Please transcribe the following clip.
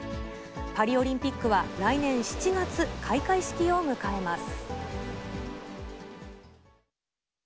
パリオリンピックは来年７月、開会式を迎えます。